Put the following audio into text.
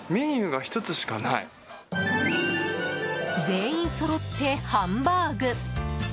全員そろってハンバーグ。